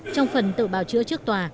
trong phần tự bào chữa trước tòa